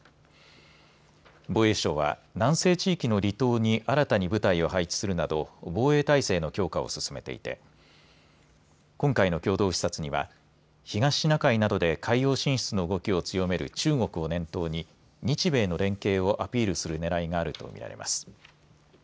防衛省は南西地域の離島に新たに部隊を配置するなど防衛体制の強化を進めていて今回の共同視察には東シナ海などで海洋進出の動きを強める中国を念頭に日米の連携をアピールするねらいがあると見られます。